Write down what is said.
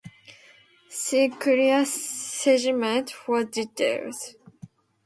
See Circular segment for details.